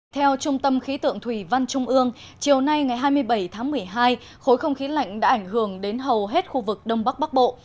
theo trung tâm khí tượng thủy văn trung ương chiều nay ngày hai mươi bảy tháng một mươi hai khối không khí lạnh đã ảnh hưởng đến hầu hết khu vực đông bắc bắc bộ